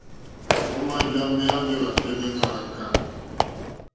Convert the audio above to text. Ò màjǎ méyá méwàkɛ́ mé mááká.